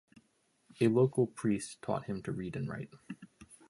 A local priest taught him to read and write.